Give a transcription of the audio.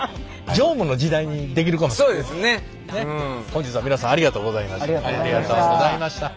本日は皆さんありがとうございました。